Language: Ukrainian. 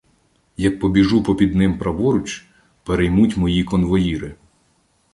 Як побіжу попід ним праворуч — переймуть мої конвоїри.